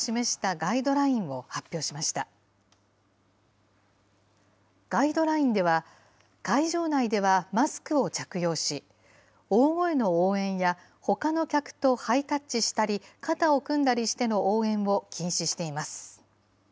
ガイドラインでは、会場内ではマスクを着用し、大声の応援やほかの客とハイタッチしたり、肩を組んだりしての応援を禁止しています。